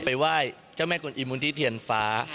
ไปไหว้เจ้าแม่คุณอิมูลธีเทียนฟ้า